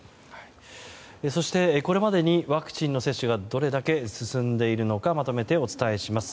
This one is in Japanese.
そして、これまでにワクチンの接種がどれだけ進んでいるのかまとめてお伝えします。